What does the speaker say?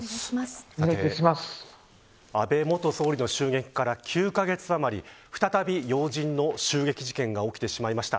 安倍元総理の襲撃から９カ月余り再び、要人の襲撃事件が起きてしまいました。